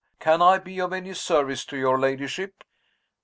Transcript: Can I be of any service to your ladyship?"